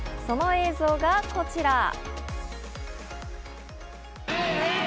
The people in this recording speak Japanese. その映像がこちら。